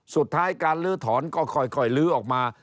สุดท้ายการลื้อถอนก็ค่อยลื้อออกมา